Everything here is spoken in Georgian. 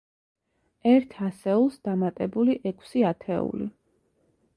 ერთ ასეულს დამატებული ექვსი ათეული.